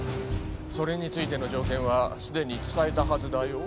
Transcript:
それについての条件はすでに伝えたはずだよ。